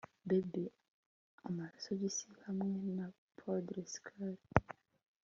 Bobby amasogisi hamwe na poodle skirt